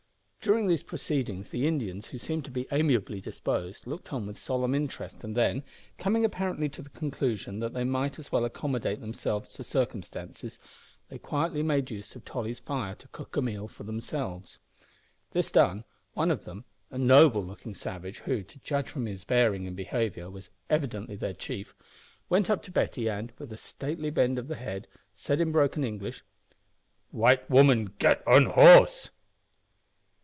During these proceedings the Indians, who seemed to be amiably disposed, looked on with solemn interest and then, coming apparently to the conclusion that they might as well accommodate themselves to circumstances, they quietly made use of Tolly's fire to cook a meal for themselves. This done, one of them a noble looking savage, who, to judge from his bearing and behaviour, was evidently their chief went up to Betty, and, with a stately bend of the head, said, in broken English, "White woman git on horse!"